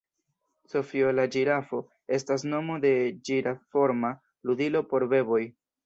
Sofio la ĝirafo estas nomo de ĝiraf-forma ludilo por beboj.